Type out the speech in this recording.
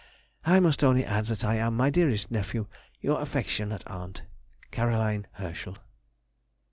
I must only add that I am, my dearest nephew, Your affectionate aunt, CAR. HERSCHEL.